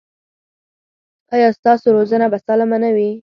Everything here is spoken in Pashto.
ایا ستاسو روزنه به سالمه نه وي؟